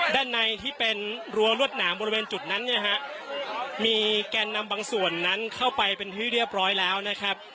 ด้านในที่เป็นรั้วรวดหนามบริเวณจุดนั้นเนี่ยฮะมีแกนนำบางส่วนนั้นเข้าไปเป็นที่เรียบร้อยแล้วนะครับ